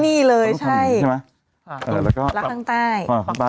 ที่นี่เลยใช่ใช่ไหมอ่าแล้วก็ละข้างใต้อ่า